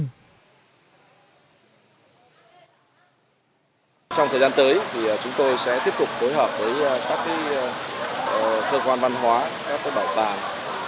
trong thời gian tới thì chúng tôi sẽ tiếp tục phối hợp với các cơ quan văn hóa các bảo tàng